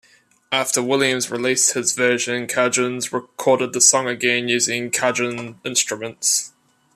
After Williams released his version, Cajuns recorded the song again using Cajun instruments.